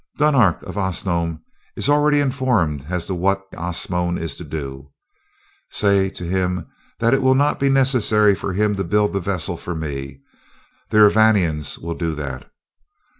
"Dunark of Osnome is already informed as to what Osnome is to do. Say to him that it will not be necessary for him to build the vessel for me; the Urvanians will do that.